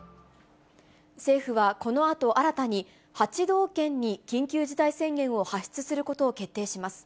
政府は、このあと新たに８道県に緊急事態宣言を発出することを決定します。